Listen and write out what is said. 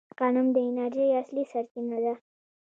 غنم د انرژۍ اصلي سرچینه ده.